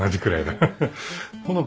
ハハハハ。